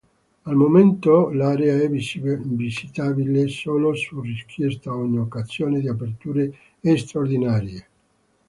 Al momento l’area è visitabile solo su richiesta o in occasione di aperture straordinarie.